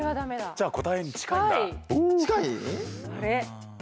じゃあ答えに近いんだ。